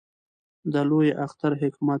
د لوی اختر حکمت